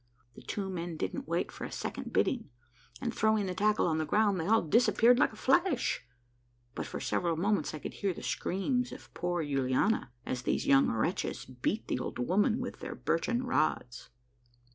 The two men didn't wait for a second bidding, and throwing the tackle on the ground, they all disappeared like a flash, but for several moments I could hear the screams of poor Yuliana as these young wretches beat the old woman with their birchen rods.